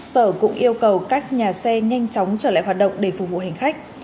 sở cũng yêu cầu các nhà xe nhanh chóng trở lại hoạt động để phục vụ hành khách